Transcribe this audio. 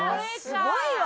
すごいわ！